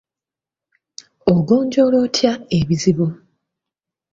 Ogonjoola otya ebizibu?